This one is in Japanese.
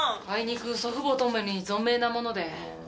あいにく祖父母共に存命なもので。